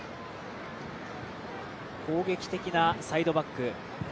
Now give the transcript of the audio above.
攻撃的なサイドバック。